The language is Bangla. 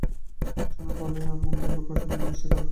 বাসনা ভালই হোক আর মন্দই হোক, বাসনা জিনিষটাই খারাপ।